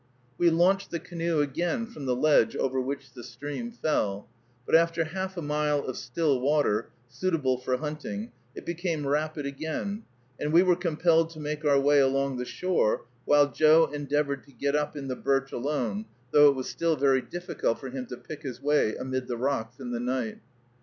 We launched the canoe again from the ledge over which the stream fell, but after half a mile of still water, suitable for hunting, it became rapid again, and we were compelled to make our way along the shore, while Joe endeavored to get up in the birch alone, though it was still very difficult for him to pick his way amid the rocks in the night.